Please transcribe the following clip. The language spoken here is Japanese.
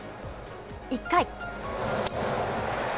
１回。